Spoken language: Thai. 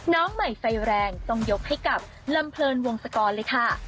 น้องใหม่ไฟแรงต้องยกให้กับลำเพลินวงศกรเลยค่ะ